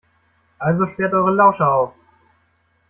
Also sperrt eure Lauscher auf!